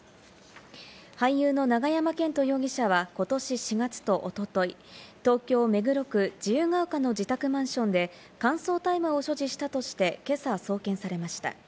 俳優の永山絢斗容疑者は、ことし４月と一昨日、東京目黒区自由が丘の自宅マンションで，乾燥大麻を所持したとして、けさ送検されました。